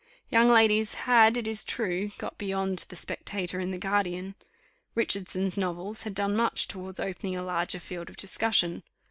Young ladies had, it is true, got beyond the Spectator and the Guardian: Richardson's novels had done much towards opening a larger field of discussion.